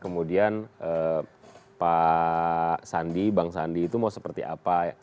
kemudian pak sandi bang sandi itu mau seperti apa